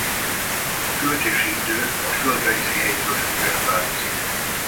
A költési idő a földrajzi helytől függően változik.